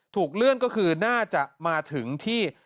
ถูกเลื่อนก็คือน่าจะมาถึงที่